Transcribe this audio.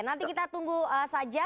nanti kita tunggu saja